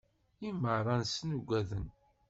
I meṛṛa-nsen ugaden.